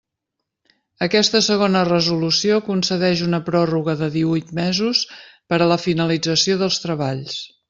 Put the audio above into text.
Aquesta segona resolució concedeix una pròrroga de díhuit mesos per a la finalització dels treballs.